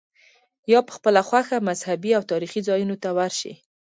یا په خپله خوښه مذهبي او تاریخي ځایونو ته ورشې.